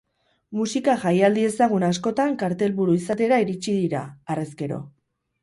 Musika jaialdi ezagun askotan kartelburu izatera iritsi dira, harrezkero.